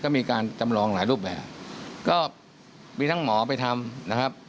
ก็มีการจำลองหลายรูปแบบก็มีทั้งหมอไปทำนะครับ